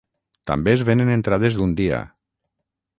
També es venen entrades d'un dia.